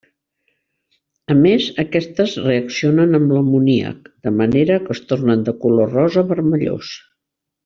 A més, aquestes reaccionen amb l'amoníac, de manera que es tornen de color rosa vermellós.